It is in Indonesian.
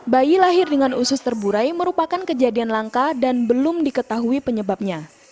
bayi lahir dengan usus terburai merupakan kejadian langka dan belum diketahui penyebabnya